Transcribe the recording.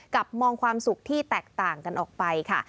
มองความสุขที่แตกต่างกันออกไปค่ะ